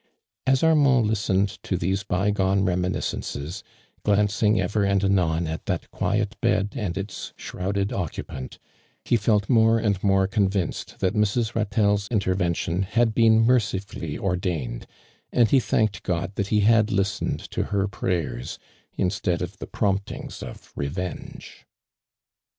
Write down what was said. As Armand listened to these by gone reminiscences, glancing ever and anon at that quiet bed and its shrouded occupant, he felt more and more convinced that Mrs. Ratelle's intervention had been mercifully ordained, and he thanked Qod that he had listened to her prayers instead of the promptings of re venge.